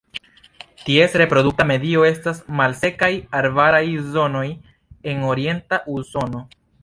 Ties reprodukta medio estas malsekaj arbaraj zonoj en orienta Usono.